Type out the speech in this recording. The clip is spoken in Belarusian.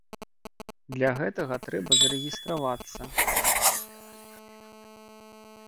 Для гэтага трэба зарэгістравацца.